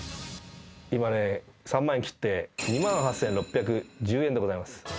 今ね、３万円切って２万８６１０円でございます。